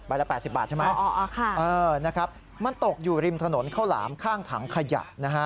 ละ๘๐บาทใช่ไหมนะครับมันตกอยู่ริมถนนข้าวหลามข้างถังขยะนะฮะ